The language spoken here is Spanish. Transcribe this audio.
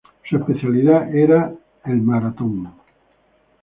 Su especialidad era la maratón.